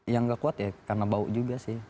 yang gak kuat ya karena bau juga sih